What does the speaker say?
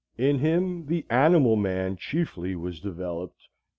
In him the animal man chiefly was developed.